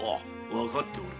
わかっておる。